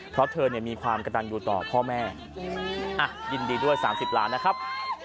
เพราะว่าเธอเนี่ยมีความกระดันดูต่อพ่อแม่อ่ะยินดีด้วยสามสิบล้านนะครับ